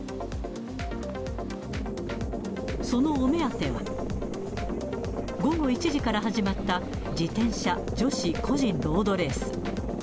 そのお目当ては、午後１時から始まった自転車女子個人ロードレース。